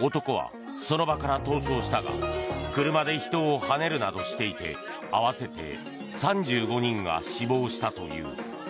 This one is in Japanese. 男はその場から逃走したが車で人をはねるなどしていて合わせて３５人が死亡したという。